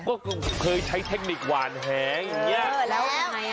ก็เคยใช้เทคนิคหวานแหงอยู่เนี่ย